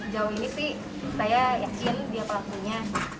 jauh ini sih saya yakin dia pelakunya